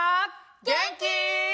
げんき？